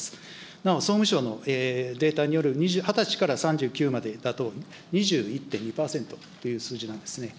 なお、総務省のデータによる２０歳から３９までだと２１．２％という数字になりますね。